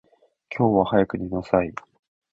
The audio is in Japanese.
今日は早く寝なさい。